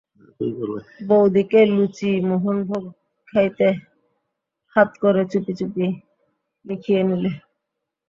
বৌদিকে-লুচি-মোহনভোগ খাইয়ে হাত করে চুপি চুপি লিখিয়ে নিলে।